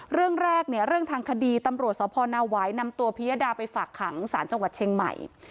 เรื่องแรกเนี่ยเรื่องทางคดีตำรวจสพนาวายนำตัวพิยดาไปฝากขังสารจังหวัดเชียงใหม่